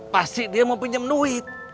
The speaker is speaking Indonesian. pasti dia mau pinjam duit